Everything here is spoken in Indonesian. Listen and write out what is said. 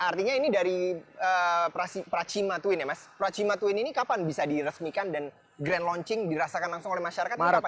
artinya ini dari pracima twin ya mas pracima twin ini kapan bisa diresmikan dan grand launching dirasakan langsung oleh masyarakat